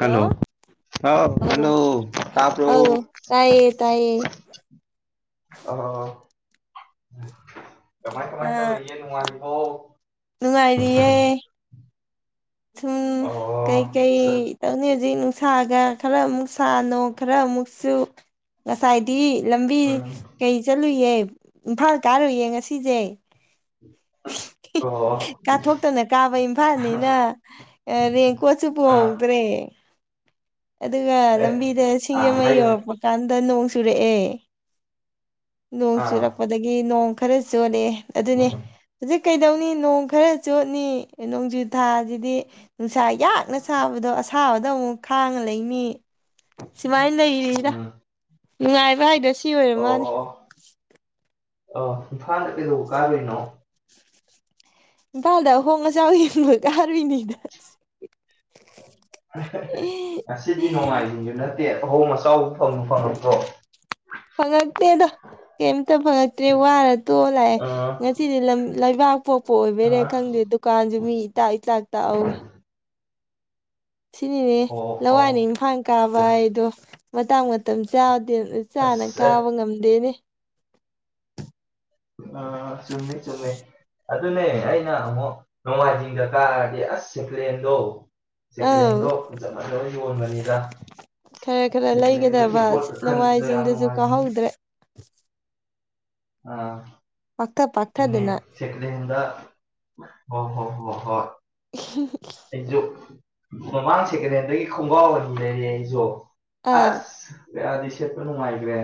ꯀꯟꯅꯣ hello ꯑꯥꯎ ꯑꯧ hello ꯇꯥꯕ꯭ꯔꯣ ꯑ ꯑꯧ ꯇꯥꯏꯌꯦ ꯇꯥꯏꯌꯦ ꯑꯧ ꯑꯧ ꯀꯃꯥꯏ ꯀꯃꯥꯏ ꯇꯧꯔꯤꯒ‌ꯦ ꯅꯨꯡꯉꯂꯤ ꯕꫭ ꯅꯨꯡꯉꯥꯏꯔꯤꯌꯦꯦ ꯁꯨꯝ ꯑꯣ ꯀꯩꯀꯩ ꯇꯧꯅꯤ ꯍꯧꯖꯤꯛ ꯅꯨꯡ ꯁꯥꯒ ꯈꯔ ꯑꯃꯨꯛ ꯁꯥꯅꯣ ꯈꯔ ꯑꯃꯨꯛ ꯆꯨ ꯉꯁꯥꯏꯗꯤ ꯂꯝꯕꯤ ꯎꯝ ꯀꯩ ꯆꯠꯂꯨꯏꯌꯦ ꯏꯝꯐꯥꯜ ꯀꯥꯔꯨꯏꯌꯦ ꯉꯁꯤꯁꯦ ꯑꯣ ꯀꯥꯊꯣꯛꯇꯅ ꯀꯥꯕ ꯏꯝꯐꯥꯜꯅꯤꯅ ꯑꯥ ꯔꯦꯡꯀꯣꯠꯁꯨ ꯑꯥ ꯄꯨꯍꯧꯗ꯭ꯔꯦ ꯑꯗꯨꯒ ꯑꯦ ꯂꯝꯕꯤꯗ ꯑꯥ ꯁꯤꯡꯖꯃꯩ ꯍꯥꯏꯌꯨꯅꯦ ꯌꯧꯔꯛꯄ ꯀꯥꯟꯗ ꯅꯣꯡ ꯆꯨꯔꯛꯑꯦ ꯅꯣꯡ ꯑꯥ ꯆꯨꯔꯛꯄꯗ ꯑꯗꯒꯤ ꯅꯣꯡ ꯈꯔ ꯆꯣꯠꯂꯦ ꯑꯗꯨꯅꯦ ꯍꯧꯖꯤꯛ ꯀꯩꯗꯧꯅꯤ ꯅꯣꯡ ꯈꯔ ꯆꯣꯠꯅꯤ ꯅꯣꯡꯖꯨ ꯊꯥ ꯑꯗꯨꯗꯤ ꯅꯨꯡꯁꯥ ꯌꯥꯛꯅ ꯁꯥꯕꯗꯣ ꯑꯁꯥꯕꯗ ꯑꯃꯨꯛ ꯈꯥꯡꯉ ꯂꯩꯅꯤ ꯁꯨꯃꯥꯏꯅ ꯂꯩꯔꯤꯗ ꯎꯝ ꯅꯨꯡꯉꯥꯏꯕ ꯍꯥꯏꯗꯨ ꯁꯤ ꯑꯣꯏꯔ ꯑꯣ ꯃꯥꯜꯅꯦ ꯑꯣ ꯑꯣ ꯏꯐꯥꯅ ꯀꯩꯗꯧꯕ ꯀꯔꯤꯅꯣ ꯏꯝꯐꯥꯜꯗ ꯑꯍꯣꯡꯉ ꯑꯆꯥꯎ ꯌꯦꯟꯕ ꯀꯥꯔꯨꯏꯅꯤꯅ ꯉꯁꯤꯗꯤ ꯅꯣꯡꯃꯥꯏꯖꯤꯡꯁꯨ ꯅꯠꯇꯦ ꯑꯍꯣꯡ ꯑꯆꯥꯎꯕ ꯐꯪ ꯐꯪꯉꯛꯇ꯭ꯔꯣ ꯄꯜꯂꯛꯇꯦꯗ ꯀꯩꯝꯇ ꯄꯜꯂꯛꯇ꯭ꯔꯦ ꯋꯥꯔ ꯇꯣꯛꯑ ꯂꯥꯛꯑꯦ ꯑꯥ ꯁꯤꯗꯤ ꯂꯝ ꯂꯩꯕꯥꯛ ꯄꯣꯛꯄ ꯑꯣꯏꯕꯔꯥ ꯑꯥ ꯈꯪꯗꯦ ꯗꯨꯀꯥꯟꯁꯨ ꯃꯤ ꯏꯇꯥꯛ ꯏꯆꯥꯛ ꯇꯛꯍꯧꯋꯤ ꯁꯤꯅꯤꯅꯦ ꯑꯣ ꯑꯣ ꯂꯋꯥꯏꯅ ꯏꯝꯐꯥꯜ ꯀꯥꯕ ꯍꯥꯏꯗꯣ ꯃꯇꯥꯡ ꯃꯇꯝ ꯆꯥ ꯇꯦꯟ ꯆꯥꯅ ꯑꯁ ꯀꯥꯕ ꯉꯝꯗꯦꯅꯦ ꯑꯥ ꯆꯨꯝꯃꯦ ꯆꯨꯝꯃꯦ ꯑꯗꯨꯅꯦ ꯑꯩꯅ ꯅꯣꯡꯃꯥꯏꯖꯤꯡꯗ ꯀꯥꯔꯗꯤꯦ ꯑꯁ ꯁꯦꯀ꯭ꯂꯦꯟꯗꯣ ꯁꯦꯀꯦꯟ ꯑꯧ ꯍꯦꯟꯗꯣ ꯐꯖ ꯐꯖꯅ ꯌꯣꯟꯕꯅꯤꯗ ꯈꯔ ꯈꯔ ꯁ‌ꯦꯀ‌ꯦꯂ‌ꯦꯟꯗꯩ ꯂꯩꯒꯗꯕ ꯄꫭꯠ ꯈꯟꯕꯗꫭ ꯌꯥꯝ ꯅꯋꯥꯏꯁꯤꯡꯗꯨꯁꯨ ꯅꯨꯉꯥꯏꯕꯅꯤ ꯀꯥꯍꯧꯗ꯭ꯔꯦ ꯎꯝ ꯄꯥꯛꯊ ꯄꯥꯛꯊꯗꯅ ꯁꯦꯀꯦꯜ ꯍꯦꯟꯗ ꯍꯣ ꯍꯣ ꯍꯣ ꯍꯣꯏ [unintelligible] ꯑꯩꯁꯨ ꯃꯃꯥꯡ ꯁꯦꯀꯦꯟ ꯍꯦꯟꯗꯒꯤ ꯈꯣꯡꯒꯥꯎ ꯑꯅꯤ ꯂꯩꯔꯦ ꯑꯩꯁꯨ ꯑꯥ ꯑꯁ ꯀꯌꯥꯗꯤ ꯁꯦꯠꯄꯥ ꯅꯨꯡꯉꯥꯏꯒ꯭ꯔꯦ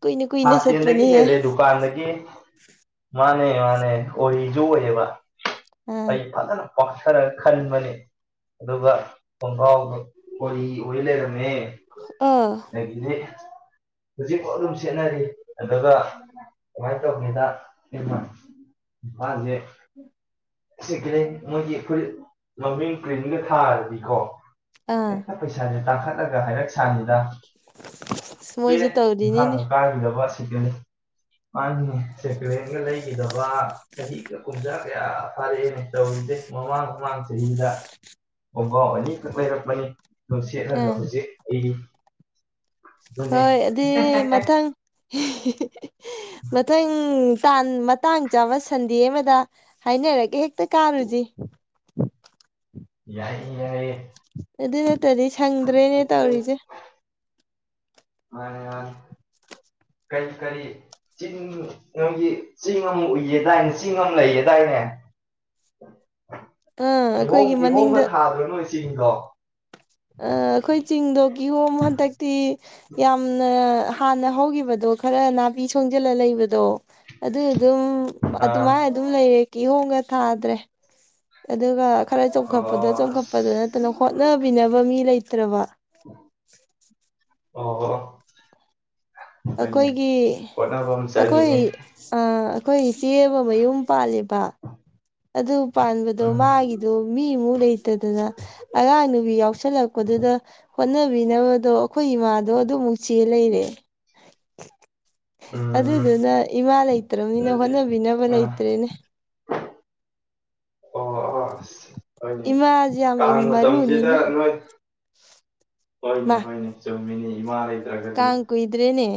ꯀꯨꯏꯅ ꯀꯨꯏꯅ ꯐꯥꯁ ꯍꯦꯟꯗꯒꯤ ꯆꯠꯄꯅꯤꯍꯦ ꯍꯦꯜꯂꯦ ꯗꯨꯀꯥꯟꯗꯒꯤ ꯃꯥꯅꯦ ꯃꯥꯅꯦ ꯑꯣꯔꯤꯖꯨ ꯑꯣꯏꯌꯦꯕ ꯑꯥ ꯑꯩ ꯐꯥꯖꯅ ꯄꯥꯛꯊꯔꯒ ꯈꯟꯕꯅꯤ ꯑꯗꯨꯒ ꯈꯣꯡꯐꯥꯎꯗꯣ ꯑꯣꯔꯤ ꯑꯣꯏ ꯂꯩꯔꯝꯃꯦ ꯑꯥ ꯑꯗꯒꯤꯗꯤ ꯍꯧꯖꯤꯛ ꯕꯧ ꯑꯗꯨꯝ ꯆꯦꯠꯅꯔꯤ ꯑꯗꯨꯒ ꯀꯃꯥꯏꯅ ꯇꯧꯒꯦꯗ [unintelligible] ꯃꯥꯁꯦ ꯁꯤꯀꯦꯂꯦꯟ ꯃꯣꯏꯒꯤ ꯐꯨꯔꯤꯠ ꯃꯃꯤꯡ ꯄ꯭ꯔꯤꯟꯒ ꯊꯥꯔꯗꯤꯀꯣ ꯑꯥ ꯄꯩꯁꯥꯁꯦ ꯇꯥꯡꯈꯠꯂꯒ ꯍꯥꯏꯔꯛ ꯁꯥꯅꯤꯗ ꯃꯣꯏꯁꯨ ꯀꯨꯏꯔꯦ ꯇꯧꯔꯤꯅꯤꯅꯦ ꯏꯝꯐꯥꯟꯒ ꯀꯥꯈꯤꯗꯕ ꯁꯦꯀꯦꯟꯍꯦꯟ [unintelligible] ꯁꯦꯀꯦꯟꯒ ꯂꯩꯈꯤꯗꯕ ꯆꯍꯤꯒ ꯀꯨꯝꯖꯥ ꯀꯌꯥ ꯐꯥꯔꯛꯑꯦꯅ ꯇꯧꯔꯤ ꯃꯃꯥꯡ ꯃꯃꯥꯡ ꯆꯍꯤꯗ ꯈꫭꯡꯒꯥꯎ ꯑꯅꯤꯈꯛ ꯂꯩꯔꯛꯄꯅꯤ ꯑꯗꯨ ꯁꯦꯠꯂꯒ ꯑꯥ ꯍꯧꯖꯤꯛ ꯑꯩꯒꯤ ꯍꯣꯏ ꯑꯗꯨꯏꯗꯤ ꯃꯊꯪ [unintelligible] ꯃꯊꯪ ꯇꯥꯟ ꯃꯇꯥꯡ ꯆꯥꯕ ꯁꯟꯗꯦ ꯑꯃꯗ ꯍꯥꯏꯅꯔꯒꯦ ꯍꯦꯛꯇ ꯀꯥꯔꯨꯁꯤ ꯌꯥꯏꯌꯦ ꯌꯥꯏꯌꯦ ꯑꯗꯨ ꯅꯠꯇ꯭ꯔꯗꯤ ꯁꯪꯗ꯭ꯔꯦꯅꯦ ꯈꯤꯇꯪ ꯇꯧꯔꯤꯁꯦ ꯃꯥꯅꯤ ꯃꯥꯅꯤ ꯀꯔꯤ ꯀꯔꯤ ꯆꯤꯡ ꯅꯣꯏꯒꯤ ꯆꯤꯡ ꯑꯃ ꯎꯏꯌꯦꯗꯥꯏꯅꯦ ꯆꯤꯡ ꯑꯃ ꯂꯩꯌꯦꯗꯥꯏꯅꯦ ꯑꯥ ꯀꯤꯍꯣꯝ ꯑꯩꯈꯣꯏꯒꯤ ꯀꯤꯍꯣꯝꯒ ꯃꯅꯤꯡꯗ ꯊꯥꯗ꯭ꯔꯣ ꯅꯣꯏ ꯆꯤꯡꯗꯣ ꯑꯥ ꯑꯩꯈꯣꯏ ꯆꯤꯡꯗꯣ ꯀꯤꯍꯣꯝ ꯍꯟꯗꯛꯇꯤ ꯌꯥꯝꯅ ꯍꯥꯟꯅ ꯍꯧꯈꯤꯕꯗꯣ ꯈꯔ ꯅꯥꯄꯤ ꯁꯣꯡꯖꯤꯜꯂ ꯂꯩꯕꯗꯣ ꯑꯗꯨ ꯑꯗꯨꯝ ꯑꯗꯨꯃꯥꯏꯅ ꯑꯥ ꯑꯗꯨꯝ ꯂꯩꯔꯦ ꯀꯤꯍꯣꯡꯒ ꯊꯥꯗ꯭ꯔꯦ ꯑꯗꯨꯒ ꯈꯔ ꯆꯣꯡꯈꯠꯄꯗ ꯑꯣ ꯆꯣꯡꯈꯠꯄꯗ ꯅꯠꯇꯅ ꯑꯁ ꯍꯣꯠꯅꯕꯤꯅꯕ ꯃꯤ ꯂꯩꯇ꯭ꯔꯕ ꯑꯣ ꯍꯣꯏꯅꯦ ꯑꯩꯈꯣꯏꯒꯤ ꯍꯣꯠꯅꯕ ꯑꯃ ꯑꯩꯈꯣꯏ ꯆꯪꯉꯤꯅꯦ ꯑꯥ ꯑꯩꯈꯣꯏ ꯏꯆꯦꯃꯥ ꯃꯌꯨꯝ ꯄꯥꯜꯂꯦꯕ ꯑꯗꯨ ꯄꯥꯟꯕꯗꯣ ꯎꯝ ꯃꯥꯒꯤꯗꯣ ꯃꯤꯃꯨꯛ ꯂꯩꯇꯗꯅ ꯑꯉꯥꯡ ꯅꯨꯕꯤ ꯌꯥꯎ ꯁꯜꯂꯛꯄꯗꯨꯗ ꯍꯣꯠꯅꯕꯤꯅꯕꯗꯣ ꯑꯩꯈꯣꯏ ꯏꯃꯥꯗꯣ ꯑꯗꯨꯃꯨꯛ ꯆꯦꯜ ꯂꯩꯔꯦ [unintelligible] ꯎꯝ ꯑꯗꯨꯗꯨꯅ ꯏꯃꯥ ꯂꯩꯇ꯭ꯔꯕꯅꯤꯅ ꯑꯗꯨꯗꯤ ꯍꯣꯠꯅꯕꯤꯅꯕ ꯑꯥ ꯂꯩꯇ꯭ꯔꯦꯅꯦ [inaudible] ꯏꯃꯥ ꯀꯥꯡ ꯃꯇꯝꯁꯤꯗ ꯅꯣꯏ ꯍꯣꯏꯅꯦ ꯃꯥ ꯍꯣꯏꯅꯦ ꯆꯨꯝꯃꯤꯅꯦ ꯏꯃꯥ ꯂꯩ ꯀꯥꯡ ꯀꯨꯏꯗ꯭ꯔꯦꯅꯦ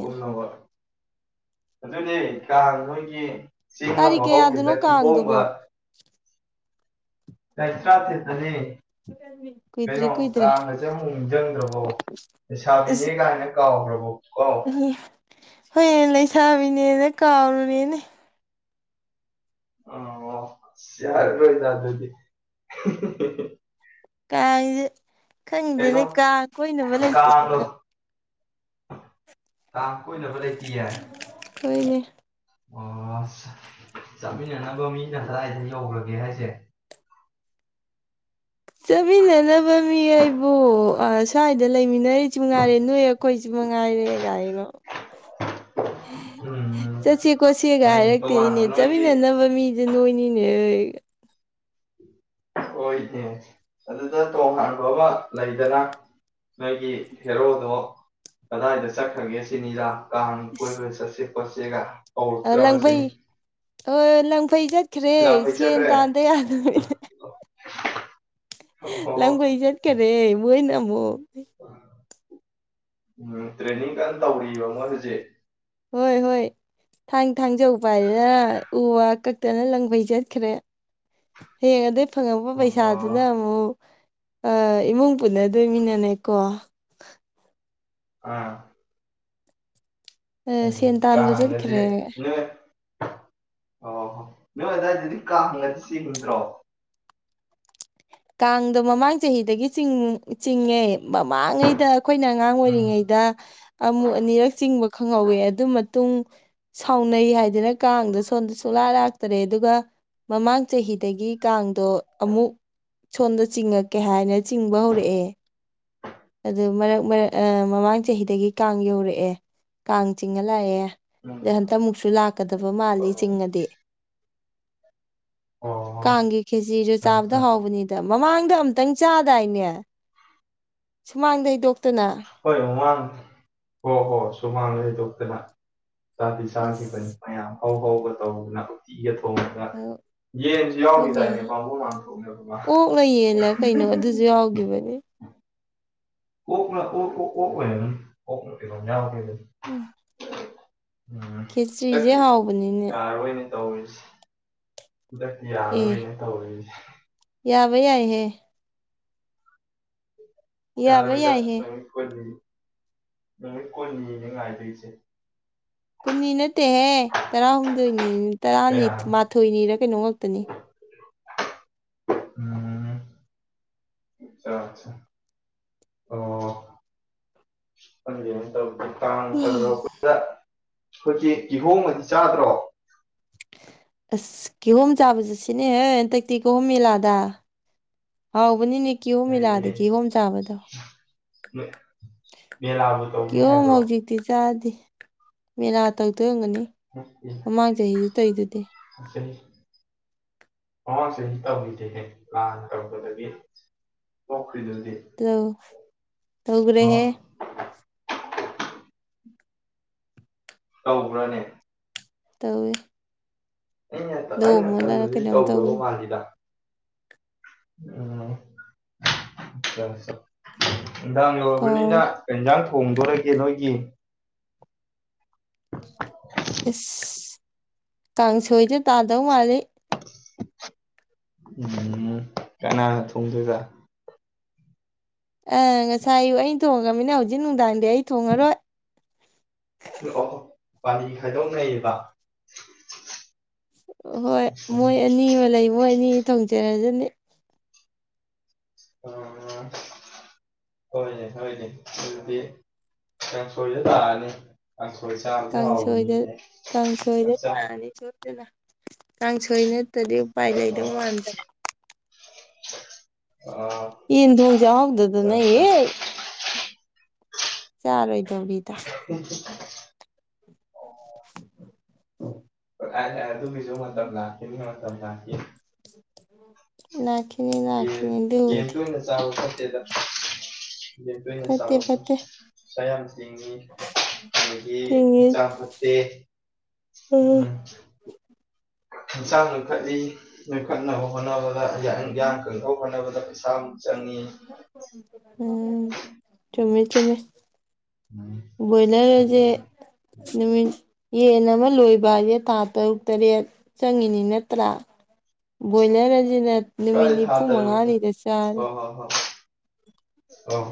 ꯑꯗꯨꯗꯤ ꯀꯥꯡ ꯅꯣꯏꯒꯤ ꯆꯤꯡ ꯑꯃ ꯇꯥꯔꯤꯛ ꯀꯌꯥꯗꯅꯣ ꯍꯧꯈꯤꯕꯗ ꯀꯥꯡꯗꯨꯕꯣ ꯀꯤꯍꯣꯝꯒ ꯇꯥꯔꯤꯛ ꯇꯔꯥꯇꯔ‌ꯦꯠꯇꯗꯤ ꯀꯨꯏꯗ꯭ꯔꯦ ꯀꯩꯅꯣ ꯀꯨꯏꯗ꯭ꯔꯦ ꯀꯥꯟꯒꯖꯦ ꯑꯝꯕꯧ ꯅꯤꯡꯖꯪꯗ꯭ꯔꯕꯣ ꯂꯩꯁꯥꯕꯤꯅꯤ ꯑꯁ ꯀꯥꯏꯅ ꯀꯥꯎꯒꯔꯥꯕꯣ ꯄꯨꯡꯀꯥꯎ ꯍꯣꯏꯅꯦ ꯂꯩꯁꯥꯕꯤꯅꯦꯅ ꯀꯥꯎꯔꯨꯔꯦꯅꯦ ꯑꯣ ꯌꯥꯔꯔꯣꯏꯗ ꯑꯗꯨꯗꯤ ꯀꯥꯡꯁꯦ ꯀꯩꯅꯣ ꯈꯪꯗꯦꯅꯦ ꯀꯥꯡ ꯀꯣꯏꯅꯕ ꯂꯩꯇꯗꯅ ꯀꯥꯛ ꯀꯣꯏꯅꯕ ꯂꯩꯇꯤꯌꯦ ꯇꯣꯏꯅꯦ ꯑꯣ ꯆꯥꯃꯤꯟꯅꯅꯕ ꯃꯤꯅ ꯀꯗꯥꯏꯗ ꯌꯧꯈ꯭ꯔꯒꯦ ꯍꯥꯏꯁꯦ ꯆꯠꯃꯤꯟꯅꯅꯕ ꯃꯤ ꯑꯩꯕꯨ ꯁ꯭ꯋꯥꯏꯗ ꯂꯩꯃꯤꯟꯅꯔꯤꯁꯨ ꯉꯥꯏꯔꯦ ꯅꯣꯏ ꯀꯣꯏꯁꯨ ꯃ ꯉꯥꯏꯔꯦ ꯀꯥꯏꯔꯣ [unintelligible] ꯎꯝ ꯆꯠꯁꯦ ꯈꯣꯠꯁꯦꯒ ꯍꯣꯏꯅꯦ ꯍꯥꯏꯔꯛꯇꯦ ꯏꯅꯦ ꯇꯣꯉꯥꯟꯕ ꯅꯣꯏꯒꯤ ꯆꯥꯃꯤꯟꯅꯅꯕ ꯃꯤ ꯑꯗꯨꯗꯤ ꯅꯣꯏꯅꯤꯅꯦ ꯍꯣꯏꯅꯦ ꯑꯗꯨꯗ ꯇꯣꯉꯥꯟꯕ ꯑꯃ ꯂꯩꯗꯅ ꯅꯣꯏꯒꯤ ꯍꯦꯔꯣꯗꯣ ꯀꯗꯥꯏꯗ ꯆꯠꯈ꯭ꯔꯒꯦ ꯁꯤꯅꯤꯔꯥ ꯀ ꯀꯣꯏ ꯁꯁꯦ ꯄꯁꯦꯒ ꯂꯥꯡꯐꯩ ꯍꯣꯏ ꯂꯥꯡꯐꯩ ꯆꯠꯈ꯭ꯔꯦ ꯂꯥꯡꯐꯩ ꯁꯦꯟ ꯆꯠꯈ꯭ꯔꯦ ꯇꯥꯟꯗ ꯌꯥꯗꯣꯏ ꯑꯣ ꯂꯪꯕꯩ ꯆꯠꯈꯔꯦ ꯃꯣꯏꯅ ꯑꯃꯨꯛ ꯎꯝ ꯇ꯭ꯔꯦꯅꯤꯡ ꯀꯟꯅ ꯇꯧꯔꯤꯕ ꯃꯣꯏ ꯍꯧꯖꯤꯛ ꯍꯣꯏ ꯍꯣꯏ ꯊꯥꯡ ꯊꯥꯡꯖꯧꯕ ꯍꯥꯏꯗꯅ ꯎ ꯋꯥ ꯀꯛꯇꯅ ꯂꯪꯐꯩ ꯆꯠꯈ꯭ꯔꯦ ꯍꯌꯦꯉꯗꯩ ꯐꯪꯉꯕ ꯄꯩꯁꯥꯗ ꯑꯗꯨꯅ ꯑꯣ ꯑꯃꯨꯛ ꯏꯃꯨꯡ ꯄꯨꯟꯅꯗꯣꯏꯃꯤꯟꯅꯅꯦꯀꯣ ꯑꯥ ꯑ ꯁꯦꯟ ꯇꯥꯟꯕ ꯀꯍꯥꯡꯒꯁꯦ ꯆꯠꯈ꯭ꯔꯦ ꯅ ꯑꯣ ꯍꯣ ꯅꯣꯏ ꯑꯗꯨꯗꯥꯋꯥꯏꯗꯗꯤ ꯀꯥ ꯍꯪꯉꯗꯤ ꯁꯤ ꯍꯪꯗ꯭ꯔꯣ ꯀꯥꯡꯗꯣ ꯃꯃꯥꯡ ꯆꯍꯤꯗꯒꯤ ꯆꯤꯡꯉꯦ ꯃꯃꯥꯡꯉꯩꯗ ꯑꯩꯈꯣꯏꯅ ꯑꯉꯥꯡ ꯎꯝ ꯑꯣꯏꯔꯤꯉꯩꯗ ꯑꯃꯨꯛ ꯑꯅꯤꯔꯛ ꯆꯤꯡꯕ ꯈꯪꯍꯧꯋꯦ ꯑꯗꯨ ꯃꯇꯨꯡ ꯁꯥꯎꯅꯩ ꯍꯥꯏꯗꯅ ꯀꯥꯡꯗ ꯁꯣꯝꯗ ꯁꯨꯡꯂꯥ ꯂꯥꯛꯇꯔꯦ ꯑꯗꯨꯒ ꯃꯃꯥꯡ ꯆꯍꯤꯗꯒꯤ ꯀꯥꯡꯗꯣ ꯑꯃꯨꯛ ꯁꯣꯝꯗ ꯆꯤꯡꯉꯛꯀꯦ ꯍꯥꯏꯅ ꯆꯤꯡꯕ ꯍꯧꯔꯛꯑꯦ ꯑꯗꯨ ꯃꯔꯛꯛ ꯃꯃꯥꯡ ꯆꯍꯤꯗꯒꯤ ꯀꯥꯡ ꯌꯧꯔꯛꯑꯦ ꯀꯥꯡ ꯆꯤꯡꯉ ꯂꯥꯛꯑꯦ ꯎꯝ ꯑ ꯍꯟꯇ ꯑꯃꯨꯛꯁꯨ ꯂꯥꯛꯀꯗꯕ ꯃꯥꯜꯂꯤ ꯆꯤꯡꯉꯗꯤ ꯑꯣ ꯀꯥꯡꯒꯤ ꯀꯦꯖꯤꯁꯨ ꯆꯥꯕꯗ ꯍꯥꯎꯕꯅꯤꯗ ꯃꯃꯥꯡꯗ ꯑꯝꯇꯪ ꯆꯥꯗꯥꯏꯅꯦ ꯁꯨꯃꯥꯡꯗꯩ ꯗꯣꯛꯇꯅ ꯍꯣꯏ ꯍꯨꯃꯥꯡ ꯍꯣ ꯍꯣ ꯁꯨꯃꯥꯡ ꯂꯩꯗꯣꯛꯇꯅ ꯆꯥꯕꯤ ꯆꯥꯈꯤꯕ ꯑꯁ ꯃꯌꯥꯝ ꯍꯧꯥꯎ ꯍꯥꯎꯕ ꯇꯧꯗꯨꯅ ꯎꯇꯤꯒ ꯊꯣꯡꯉꯒ ꯍꯣꯏꯅꯦ ꯌꯦꯁꯤꯃꯤꯗꯥꯏꯅꯦꯕꯕꯨꯨ ꯃꯥꯡꯊ ꯑꯣꯛꯂ ꯌꯦꯜꯂ ꯀꯩꯅꯣ ꯑꯗꯨꯁꯨ ꯌꯥꯎꯈꯤꯕꯅꯦ ꯑꯣ ꯑꯣ ꯑꯣ ꯎꯝ ꯈꯦꯇ꯭ꯔꯤꯁꯦ ꯍꯟꯗꯛꯇꯤ ꯍꯥꯎꯕꯅꯤꯅꯦ ꯌꯥꯔꯔꯣꯏꯅꯦ ꯇꯧꯔꯤꯁꯦ ꯈꯨꯗꯛꯇ ꯑꯦ ꯌꯥꯔꯣꯏꯅ ꯇꯧꯔꯤꯁꯦ ꯌꯥꯕ ꯌꯥꯏꯍꯦ ꯌꯥꯕ ꯌꯥꯔꯣꯏꯗ ꯌꯥꯏꯍꯦ ꯅꯨꯃꯤꯠ ꯀꯟꯅꯤ ꯅꯨꯃꯤꯠ ꯀꯨꯟꯅꯤꯅ‌ꯦ ꯉꯥꯏꯗꯣꯏꯁꯦ ꯀꯨꯟꯅꯤ ꯅꯠꯇꯦꯍꯦ ꯇꯔꯥꯍꯨꯝꯗꯣꯏꯅꯤ ꯇꯔꯥꯅꯤ ꯀꯌꯥ ꯃꯥꯊꯣꯏꯅꯤꯔ ꯀꯩꯅꯣ ꯉꯥꯛꯇꯅꯤ ꯎꯝ ꯑꯆꯥꯆꯥ ꯑꯣ ꯈꯟꯒꯦꯅ ꯇꯧꯒꯦ ꯇꯥꯡ ꯇ ꯌꯔꯛꯄꯗ ꯑꯩꯈꯣꯏꯒꯤ ꯀꯤꯍꯣꯡꯕꯗꯤ ꯆꯥꯗ꯭ꯔꯣ ꯑꯁ ꯀꯦꯍꯣꯝ ꯆꯥꯕ ꯆꯠ ꯁꯤꯅꯦꯍꯦ ꯍꯟꯇꯛꯇꯤ ꯀꯍꯣꯝ ꯃꯂꯥꯗ ꯍꯥꯎꯕꯅꯤꯅꯦ ꯀꯤꯍꯣꯝꯃꯤꯂꯥꯗ ꯀꯤꯍꯣꯝ ꯆꯥꯕꯗꯣ ꯎ ꯀꯤꯌꯣ ꯍꯧꯖꯤꯛꯇꯤ ꯆꯥꯗꯦ ꯃꯦꯔꯥ ꯇꯧꯗꯒꯅꯤ ꯃꯃꯥꯡ ꯆꯍꯤꯁꯨ ꯇꯧꯗꯨꯗꯤ ꯑꯇꯩ ꯃꯃꯥꯡ ꯆꯍꯤ ꯇꯧꯈꯤꯗꯦ ꯍꯦ ꯂꯥꯟ ꯇꯧꯄꯗꯒꯤ ꯄꯣꯛꯈ꯭ꯔꯤꯗꯨꯗꯤ ꯇ ꯇꯧꯒ꯭ꯔꯦꯍꯦ ꯇꯧꯕ꯭ꯔꯥꯅꯦ ꯇꯧꯋꯤ ꯑꯩꯅꯦ ꯑꯩꯅ ꯈꯟꯕꯗꯤ ꯀꯩꯅꯣꯝ ꯇꯧꯋꯦ ꯇꯧꯗꯕ ꯃꯥꯜꯂꯤꯗ ꯎꯝ [unintelligible] ꯅꯨꯡꯗꯥꯥꯡ ꯌꯥꯎꯔꯕꯅꯤꯅ ꯀꯥꯎꯔꯦ ꯀꯩ ꯖꯥꯡ ꯊꯣꯡꯗꯣꯔꯒꯦ ꯅꯣꯏꯒꯤ ꯏꯁ ꯀꯥꯡꯁꯣꯏꯗ ꯇꯥꯗꯧ ꯃꯥꯜꯂꯤ ꯎꯝ ꯀꯅꯥꯅ ꯊꯣꯡꯗꯣꯏꯗ ꯑ ꯉꯁꯥꯏ ꯑꯌꯨꯛ ꯑꯩꯅ ꯊꯣꯡꯉꯝꯅꯤꯅ ꯍꯧꯖꯤꯛ ꯅꯨꯡꯗꯥꯡꯗꯤ ꯑꯩ ꯊꯣꯡꯉꯔꯣꯏ ꯑꯣ ꯄꯥꯂꯤꯗꯤ ꯈꯥꯏꯗꯣꯛꯅꯩꯕ ꯍꯣꯏ ꯃꯣꯏ ꯑꯅꯤ ꯑꯃ ꯂꯩ ꯃꯣꯏ ꯑꯅꯤ ꯊꯣꯡꯖꯔꯁꯤꯅꯤ ꯎ [inaudible] ꯍꯣꯏꯅꯦ ꯍꯣꯏꯅꯦ ꯑꯗꯨꯗꯤ ꯀꯥꯡꯁꯣꯏꯗ ꯇꯥꯔꯅꯤ ꯀꯥꯡꯁꯣꯏ ꯆꯥꯕꯁꯦ ꯀꯥꯡꯁꯣꯏꯗ ꯍꯥꯎꯕꯅꯤꯅꯦ ꯀꯥꯡꯁꯣꯏꯗ ꯑꯠꯆꯥ ꯇꯥꯔꯅꯤ ꯁꯣꯏꯗꯅ ꯀꯥꯡꯁꯣꯏ ꯅꯠꯇ꯭ꯔꯗꯤ ꯎꯄꯥꯏ ꯑꯥ ꯂꯩꯗꯧ ꯃꯥꯟꯗ꯭ꯔꯦ ꯑꯣ ꯌꯦꯟ ꯊꯣꯡ ꯆꯥꯍꯧꯗꯗꯅ ꯍꯦꯛ ꯆꯥꯔꯣꯏꯗꯧꯔꯤꯗ ꯎꯝ [inaudible] ꯑꯗꯨꯒꯤꯁꯨ ꯃꯇꯝ ꯂꯥꯛꯈꯤꯅꯤꯅ ꯃꯇꯝ ꯂꯥꯛꯈꯤ ꯂꯥꯛꯈꯤꯅꯤ ꯌꯦꯟ ꯂꯥꯛꯈꯤꯅꯤ ꯌꯦꯟ ꯗꯨꯗꯤ ꯇꯣꯏꯅ ꯆꯥꯕ ꯐꯠꯇꯦꯗ ꯌꯦꯟ ꯇꯣꯏꯅ ꯐꯠꯇꯦ ꯆꯥꯕ ꯐꯠꯇꯦ ꯆꯌꯥꯝ ꯑꯗꯒꯤ ꯊꯤꯡꯉꯤ ꯆꯥ ꯐꯠꯇꯦ ꯎꯝ ꯆꯥꯡ ꯅꯣꯏꯈꯠꯂꯤ ꯅꯣꯏꯈꯠꯅꯕ ꯍꯣꯠꯅꯕꯗ ꯌꯥ ꯌꯥꯡꯀꯪꯅꯕ ꯍꯣꯠꯅꯕꯗ ꯄꯩꯁꯥ ꯑꯃꯨꯛ ꯆꯪꯒꯤ ꯎꯝ ꯆꯨꯝꯃꯦ ꯆꯨꯝꯃꯦ ꯎꯝ ꯕꯣꯏꯂꯔꯖꯦ ꯎꯝ ꯅꯨꯃꯤꯠ ꯌꯦꯟ ꯑꯃ ꯂꯣꯏꯕꯁꯦ ꯊꯥ ꯇꯔꯨꯛ ꯇꯔꯦꯠ ꯆꯪꯉꯤꯅꯤ ꯅꯠꯇ꯭ꯔꯥ ꯕꯣꯏꯂꯔ ꯑꯁꯤꯅ ꯅꯨꯃꯤꯠ ꯅꯤꯐꯨ ꯃꯉꯥꯅꯤꯗ ꯆꯥꯔꯦ ꯑꯣ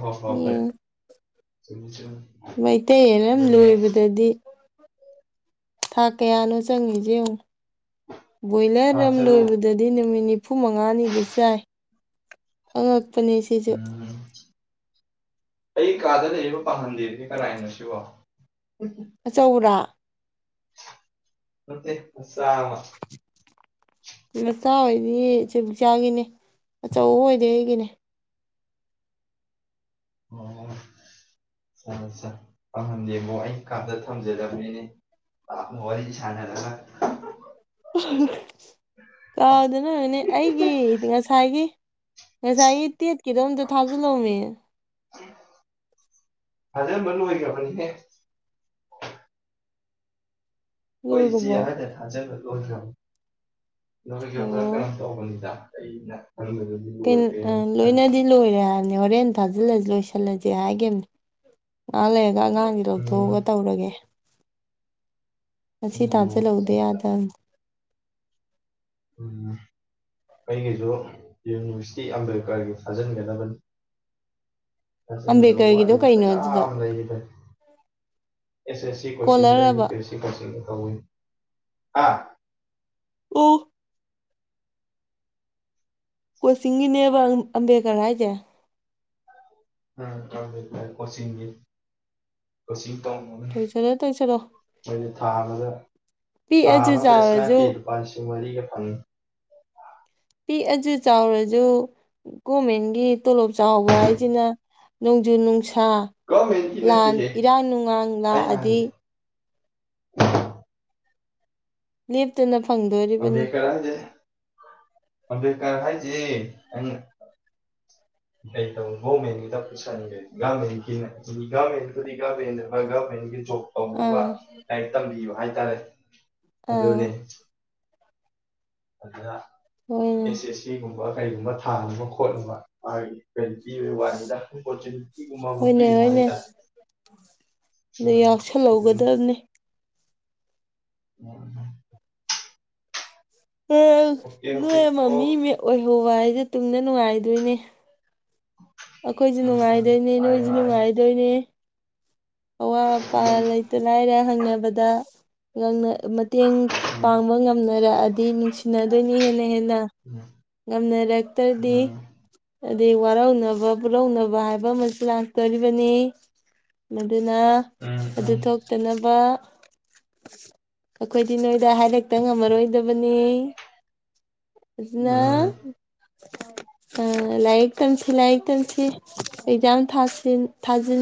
ꯍꯣ ꯍꯣ ꯍꯣꯏ ꯌꯦꯡꯉꯨ ꯆꯨꯝꯃꯤ ꯆꯨꯝꯃꯤ ꯃꯩꯇꯩ ꯌꯦꯟ ꯑꯝ ꯑꯗꯨꯅꯦ ꯂꯣꯏꯕꯗꯗꯤ ꯊꯥ ꯀꯌꯥꯅꯣ ꯆꯪꯉꯤꯖꯦ ꯌꯦꯉꯨ ꯊꯥ ꯕꯣꯏꯂꯔ ꯑꯝ ꯇꯔꯨꯛ ꯂꯣꯏꯕꯗ ꯗꯤ ꯅꯨꯃꯤꯠ ꯅꯤꯐꯨ ꯃꯉꯥꯅꯤꯗ ꯆꯥꯏ ꯑꯉꯛꯄꯅꯤ ꯁꯤꯁꯨ ꯎꯝ [inaudible] ꯑꯩ ꯀꯥꯗ ꯂꯩꯔꯤꯕ ꯄꯥꯡꯒꯟꯗꯦꯞ ꯀꯅꯥꯏꯅꯣ ꯁꯤꯕꯣ ꯑꯆꯧꯕꯔ ꯅꯠꯇꯦ ꯃꯆꯥ ꯃꯥ ꯃꯆꯥ ꯑꯣꯏꯗꯤ ꯆꯦꯝꯆꯥ ꯒꯤꯅꯦ ꯑꯆꯧꯕ ꯑꯣꯏꯗꯤ ꯑꯩꯒꯤꯅꯦ ꯑꯣ ꯑꯆꯥ ꯑꯆꯥ ꯄꯥꯡꯒꯟꯗꯦꯞꯕꯨ ꯑꯩ ꯀꯥꯗ ꯊꯝꯖꯟꯂꯝꯃꯦꯅꯦ ꯋꯥꯔꯤ ꯁꯥꯟꯅꯔꯒ ꯀꯥꯎꯗꯅ ꯑꯣꯏꯅꯦ ꯑꯩꯒꯤ ꯉꯁꯥꯏꯒꯤ ꯉꯁꯥꯏꯒꯤ ꯇꯦꯠꯀꯤꯗꯣ ꯑꯝꯇ ꯊꯥꯖꯜꯂꯣꯃꯤ ꯊꯥꯖꯟꯕ ꯂꯣꯏꯒꯔꯕꯅꯦ ꯑꯦ ꯍꯣꯏ ꯏꯆꯦ ꯂꯣꯏꯒ꯭ꯔꯕꯣ ꯑꯍꯟꯅ ꯊꯥꯖꯟꯕ ꯂꯣꯏꯒ꯭ꯔꯝ ꯑꯣ ꯂꯣꯏꯒ꯭ꯔꯕꯀꯩꯝ ꯇꯧꯕꯅꯤꯗ ꯑꯩꯅ ꯈꯟ ꯀꯩꯟ ꯑ ꯂꯣꯏꯅꯗꯤ ꯂꯣꯏꯔꯦ ꯍꯥꯏꯕꯅꯦ ꯍꯣꯔꯦꯟ ꯊꯥꯖꯤꯜꯂꯁꯤ ꯂꯣꯏꯁꯤꯜꯂꯁꯤ ꯍꯥꯏꯒꯤꯝ ꯉꯍꯥꯛ ꯂꯩꯔꯒ ꯑꯉꯥꯡꯒꯤ ꯎꯝ ꯂꯧꯊꯣꯛꯑꯒ ꯇꯧꯔꯒꯦ ꯉꯁꯤ ꯑꯣ ꯊꯥꯖꯜꯍꯧꯗ ꯑꯠꯆꯥ ꯑꯠꯆꯥ ꯌꯥꯗꯝ ꯎꯝ ꯑꯩꯒꯤꯁꯨ ꯌꯨꯅꯤꯚꯔꯁꯤꯇꯤ ꯑꯝꯕꯦꯗꯀꯔꯒꯤ ꯊꯥꯖꯟꯒꯗꯕꯅꯤ [unintelligible] ꯑꯦꯁ ꯑꯝꯕꯦꯗꯀꯔꯒꯤꯗꯣ ꯀꯩꯅꯣ ꯑꯗꯨꯗꯣ S C ꯀꯣꯆꯤꯡꯒ U ꯏꯁꯀꯣꯂꯔꯕ P S C ꯀꯣꯆꯤꯡꯒ ꯇꯧꯏ ꯍꯥ ꯎ ꯀꯣꯆꯤꯡꯒꯤꯅꯦꯕ ꯑꯝꯕꯦꯗꯀꯔ ꯍꯥꯏꯁꯦ [unintelligible] ꯀꯣꯆꯤꯡꯒꯤ ꯀꯣꯆꯤꯡ ꯇꯧꯅꯕꯅꯤ ꯇꯧꯁꯜꯂꯣ ꯇꯧꯁꯜꯂꯣ ꯑꯩꯅ ꯊꯥꯥꯟꯕꯗ ꯊꯥ ꯄꯤꯛꯑꯁꯨ ꯑꯃꯗ ꯆꯥꯎꯔꯁꯨ ꯏꯁꯅꯥꯞꯀꯤ ꯂꯨꯄꯥ ꯂꯤꯁꯤꯡ ꯃꯔꯤꯒ ꯐꯪꯉꯤ ꯄꯤꯛꯑꯁꯨ ꯆꯥꯎꯔꯁꯨ ꯒꯣꯔꯃꯦꯟꯒꯤ ꯇꯣꯂꯣꯞ ꯆꯥꯍꯧꯕ ꯍꯥꯏꯁꯤꯅ ꯅꯣꯡꯖꯨ ꯅꯨꯡꯁꯥ ꯒꯣꯔꯃꯦꯟꯒꯤ ꯂꯥꯟ ꯅꯠꯇꯦꯍꯦ ꯏꯔꯥꯡ ꯅꯨꯡꯉꯥꯡ ꯑꯩꯅ ꯂꯥꯛꯑꯗꯤ ꯍꯥꯏꯕꯗꯤ ꯂꯦꯞꯇꯅ ꯐꯪꯗꯣꯔꯤ ꯑꯝꯝꯕꯦꯗꯀꯔ ꯍꯥꯏꯖꯦ ꯑꯝꯝꯕꯦꯗꯀꯔ ꯍꯥꯏꯖꯦ ꯀꯩꯗꯧ ꯒꯣꯃꯦꯟꯒꯤꯗ ꯄꯨꯁꯟꯒ꯭ꯔꯦ ꯒꯔꯃꯦꯟꯒꯤꯅꯦ ꯁꯦꯃꯤ ꯒꯃꯦꯟꯕꯨꯗꯤ ꯒꯔꯃꯦꯟꯅꯦ ꯍꯣꯏ ꯒꯕꯃꯦꯟꯒꯤ ꯖꯣꯕ ꯇꯧꯅꯕ ꯑꯥ ꯂꯥꯏꯔꯤꯛ ꯇꯝꯕꯤꯕ ꯍꯥꯏꯇꯥꯔꯦ ꯑꯥ ꯑꯗꯨꯅꯤ ꯑꯗꯨꯅ ꯍꯣꯏꯅꯦ ꯑꯦꯁ ꯑꯦꯁ ꯁꯤ ꯒꯨꯝ ꯕ ꯀꯩꯒꯨꯝꯕ ꯊꯥꯅꯕ ꯈꯣꯠꯅꯕ ꯃꯥꯒꯤ ꯄꯤꯕꯩ ꯋꯥꯅꯤꯗ ꯑꯄꯔꯆꯨꯅꯤꯇꯤ ꯒꯨꯝꯕ ꯑꯃ ꯍꯣꯏꯅꯦ ꯄꯤꯕ ꯍꯥꯏ ꯇꯥꯔ‌ꯦ ꯑꯗ ꯌꯥꯎꯁꯜꯍꯧꯒꯗꯕꯅꯤ ꯎꯝ ꯑꯣꯀꯦ ꯑꯣꯀꯦ ꯅꯣꯏ ꯑꯃ ꯃꯤ ꯑꯣ ꯑꯣꯏꯍꯧꯕ ꯍꯥꯏꯁꯦ ꯇꯨꯡꯗ ꯅꯨꯡꯉꯥꯏꯗꯣꯏꯅꯦ ꯑꯈꯣꯏꯁꯨ ꯎꯝ ꯎꯝ ꯅꯨꯡꯉꯥꯏꯗꯣꯏꯅꯤ ꯃꯥꯅꯤ ꯅꯣꯏꯁꯨ ꯃꯥꯅꯤ ꯅꯨꯡꯉꯥꯏꯗꯣꯏꯅꯦ ꯑꯋꯥꯠ ꯑꯄꯥ ꯎꯝ ꯎꯝ ꯂꯩꯇ ꯂꯥꯏꯔ ꯍꯪꯅꯕꯗ ꯅꯪꯅ ꯃꯇꯦꯡ ꯄꯥꯡꯕ ꯉꯝꯅꯔꯛꯑꯗꯤ ꯅꯨꯡꯁꯤꯅꯗꯨꯏꯅꯤ ꯍꯦꯟꯅ ꯍꯦꯟꯅ ꯎꯝ ꯉꯝꯅꯔꯛꯇ꯭ꯔꯗꯤ ꯑꯗꯩ ꯋꯥꯔꯧꯅꯕ ꯄꯨꯛꯔꯧꯅꯕ ꯍꯥꯏꯕ ꯑꯃꯁꯨ ꯂꯥꯛꯇꯣꯔꯤꯕꯅꯤ ꯃꯗꯨꯅ ꯎꯝ ꯎꯝ ꯑꯗꯨ ꯎꯝ ꯊꯣꯛꯇꯅꯕ ꯑꯩꯈꯣꯏꯗꯤ ꯅꯣꯏꯗ ꯍꯥꯏꯔꯦꯛꯇ ꯉꯝꯃꯔꯣꯏꯗꯕꯅꯤ ꯎꯝ [unintelligible] [inaudible] ꯑ ꯂꯥꯏꯔꯤꯛ ꯇꯝꯁꯤ ꯂꯥꯏꯔꯤꯛ ꯇꯝꯁꯤ ꯑꯦꯛꯖꯥꯝ ꯊꯥꯁꯤ ꯊꯥꯖꯤꯟ